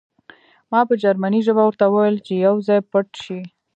ما په جرمني ژبه ورته وویل چې یو ځای پټ شئ